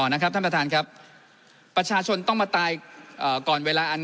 นะครับท่านประธานครับประชาชนต้องมาตายก่อนเวลาอัน